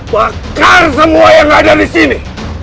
bakar semua yang ada di sini